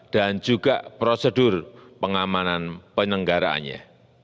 dan juga prosedur pengamanan penyenggaraannya